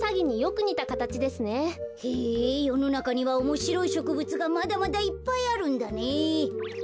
へえよのなかにはおもしろいしょくぶつがまだまだいっぱいあるんだね。